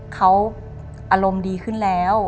เขาอารมณ์ดีขึ้นแล้ว